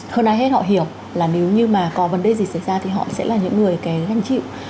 hơn ai hết họ hiểu là nếu như mà có vấn đề gì xảy ra thì họ sẽ là những người cái danh chịu